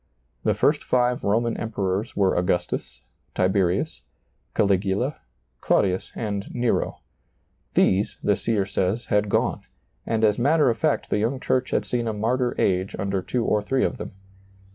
The first five Roman Emperors were Augustus, Tiberius, Caligula, Claudius, and Nero : these, the seer says, had gone ; and as matter of fact the young church had seen a martyr age under two or three of them.